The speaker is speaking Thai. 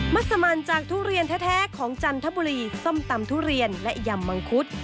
ัสมันจากทุเรียนแท้ของจันทบุรีส้มตำทุเรียนและยำมังคุด